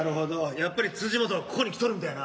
やっぱり辻本はここに来とるみたいやな。